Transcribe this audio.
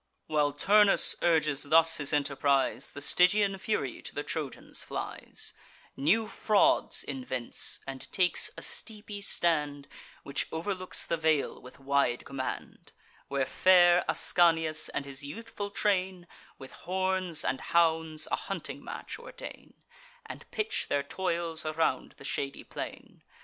While Turnus urges thus his enterprise, The Stygian Fury to the Trojans flies; New frauds invents, and takes a steepy stand, Which overlooks the vale with wide command; Where fair Ascanius and his youthful train, With horns and hounds, a hunting match ordain, And pitch their toils around the shady plain.